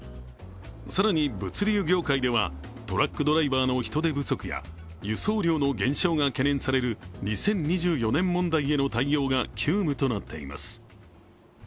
更に物流業界ではトラックドライバーの人手不足や、輸送量の減少が懸念される２０２４年問題への対応が急務となっています。